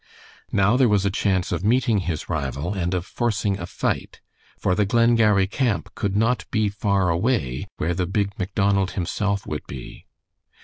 Now there was a chance of meeting his rival and of forcing a fight, for the Glengarry camp could not be far away where the big Macdonald himself would be.